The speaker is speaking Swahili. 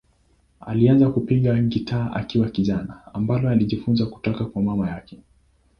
Alianza kupiga gitaa akiwa kijana, ambalo alijifunza kutoka kwa mama yake.